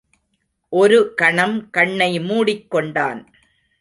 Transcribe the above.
ஒரு கணம் கண்ணை மூடிக்கொண்டான்.